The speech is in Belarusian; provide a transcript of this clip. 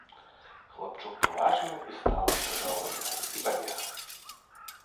Хлапчук паважна і стала сказаў гэта і пабег.